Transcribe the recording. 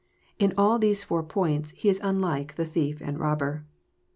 In all these four points, he is unlike the thief and robber.